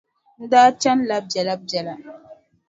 N daa chanila biɛlabiɛla.